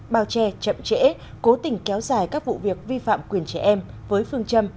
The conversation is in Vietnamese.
bao che chậm trễ cố tình kéo dài các vụ việc vi phạm quyền trẻ em với phương châm